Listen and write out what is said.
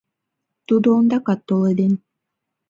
Тудо ондакат толеден.